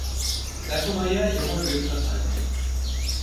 দেখো ভাইয়া, এভাবে গ্রেফতার হয় না।